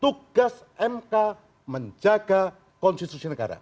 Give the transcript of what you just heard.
tugas mk menjaga konstitusi negara